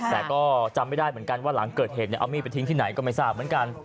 แต่ก็จำไม่ได้เหมือนกันว่าหลังเกิดเหตุเอามีดไปทิ้งที่ไหนก็ไม่ทราบเหมือนกัน